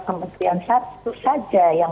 kementerian satu saja yang